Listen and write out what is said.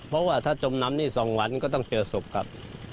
เพราะว่าถ้าจมน้ำนี่๒วันก็ต้องเจอศพครับ